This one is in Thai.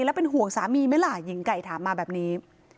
แล้วเป็นห่วงสามีไหมล่ะหญิงไก่ถามมาแบบนี้